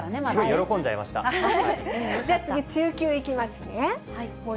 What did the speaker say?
喜んじゃいました。